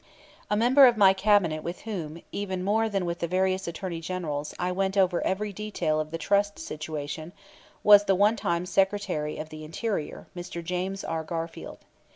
A member of my Cabinet with whom, even more than with the various Attorneys General, I went over every detail of the trust situation, was the one time Secretary of the Interior, Mr. James R. Garfield.